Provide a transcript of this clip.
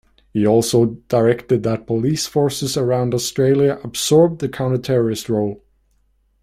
He also directed that police forces around Australia absorb the counter-terrorist role.